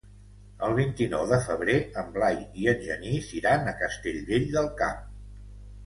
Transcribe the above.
El vint-i-nou de febrer en Blai i en Genís iran a Castellvell del Camp.